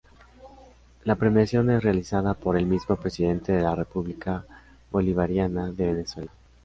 La premiación es realizada por el mismo presidente de la República Bolivariana de Venezuela.